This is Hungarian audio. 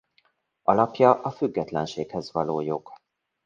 Alapja a függetlenséghez való jog.